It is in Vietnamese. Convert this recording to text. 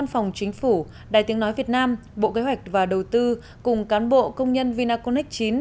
văn phòng chính phủ đài tiếng nói việt nam bộ kế hoạch và đầu tư cùng cán bộ công nhân vinaconex chín